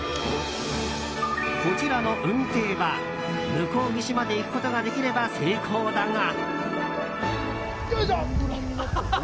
こちらのうんていは向こう岸まで行くことができれば成功だが。